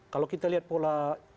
kalau kita lihat pola